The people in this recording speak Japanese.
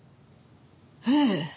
ええ。